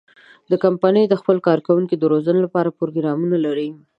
کمپنۍ د خپلو کارکوونکو د روزنې لپاره پروګرامونه لري.